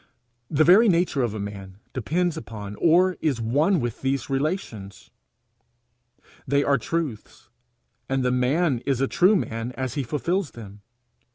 The very nature of a man depends upon or is one with these relations. They are truths, and the man is a true man as he fulfils them.